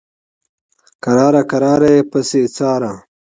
کرار کرار یې پسې څاره.